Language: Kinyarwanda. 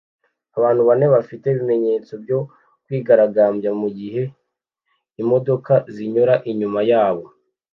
Abantu bane bafite ibimenyetso byo kwigaragambya mugihe imodoka zinyura inyuma yabo